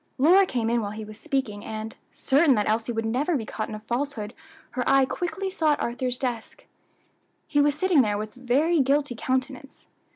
Lora came in while he was speaking and, certain that Elsie would never be caught in a falsehood, her eye quickly sought Arthur's desk. He was sitting there with a very guilty countenance.